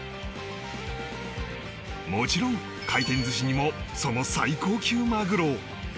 もちろん廻転鮨にもその最高級マグロを